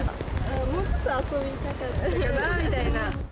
もうちょっと遊びたかったかなみたいな。